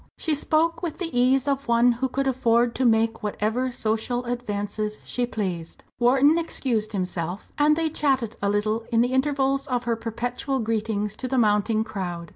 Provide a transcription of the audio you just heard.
She spoke with the ease of one who could afford to make whatever social advances she pleased. Wharton excused himself, and they chatted a little in the intervals of her perpetual greetings to the mounting crowd.